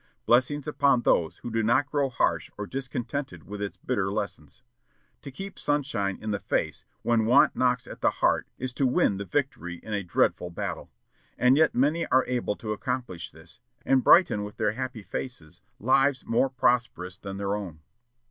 Blessings upon those who do not grow harsh or discontented with its bitter lessons. To keep sunshine in the face when want knocks at the heart is to win the victory in a dreadful battle. And yet many are able to accomplish this, and brighten with their happy faces lives more prosperous than their own.